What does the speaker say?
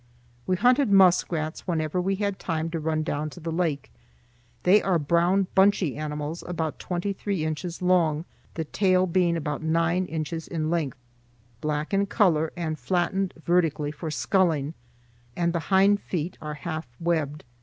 We hunted muskrats whenever we had time to run down to the lake. They are brown bunchy animals about twenty three inches long, the tail being about nine inches in length, black in color and flattened vertically for sculling, and the hind feet are half webbed.